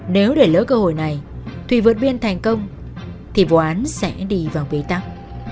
nếu để lỡ cơ hội này thùy vượt biên thành công thì vụ án sẽ đi vào bế tắc